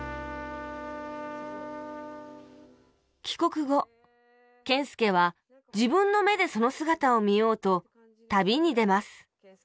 帰国後謙介は自分の目でその姿を見ようと旅に出ます